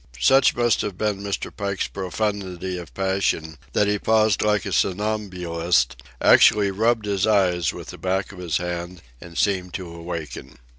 Such must have been Mr. Pike's profundity of passion, that he paused like a somnambulist, actually rubbed his eyes with the back of his hand, and seemed to awaken.